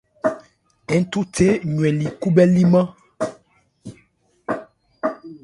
Nthunthe ywɛnli khúbhɛ́límán.